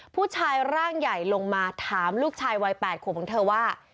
ผู้ชายร่างใหญ่ลงมาถามลูกชายวัย๘ขวบของเธอว่า